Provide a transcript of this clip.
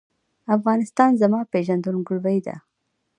افغانستان زما پیژندګلوي ده؟